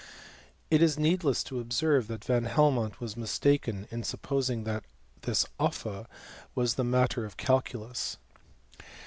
It is needless to observe that Van Helmont was mistaken, in supposing that this offa was the matter of calculus.